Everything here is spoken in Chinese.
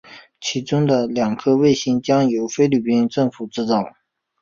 其中的两颗卫星将由菲律宾政府制造。